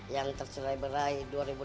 yang tercerai berai dua ribu enam belas